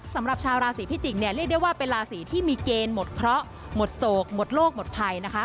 สำหรับชาวราศีพิจิกษ์เนี่ยเรียกได้ว่าเป็นราศีที่มีเกณฑ์หมดเคราะห์หมดโศกหมดโลกหมดภัยนะคะ